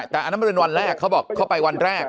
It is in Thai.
แต่อันนั้นมันเป็นวันแรกเขาบอกเขาไปวันแรก